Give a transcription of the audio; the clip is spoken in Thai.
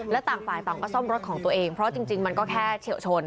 และต่างฝ่ายต่างก็ซ่อมรถของตัวเองเพราะจริงมันก็แค่เฉียวชน